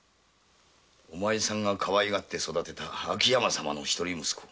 あんたがかわいがって育てた秋山様の一人息子。